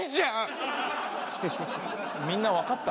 みんなわかった？